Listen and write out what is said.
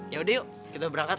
yaudah yuk kita berangkat